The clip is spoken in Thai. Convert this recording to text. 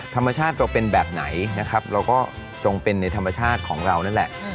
ธรรมชาติเราเป็นแบบไหนนะครับเราก็จงเป็นในธรรมชาติของเรานั่นแหละ